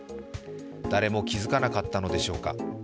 誰も気づかなかったのでしょうか。